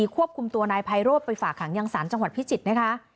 ควบคุมตัวนายไพโรธไปฝากหางยังสารจังหวัดพิจิตรนะคะ